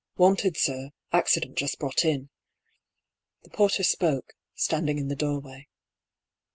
" Wanted, sir. Accident just brought in." The porter spoke, standing in the doorway.